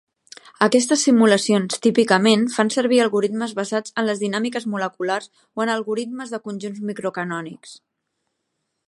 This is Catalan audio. Aquestes simulacions típicament fan servir algoritmes basats en les dinàmiques moleculars o en algoritmes de conjunts micro-canònics.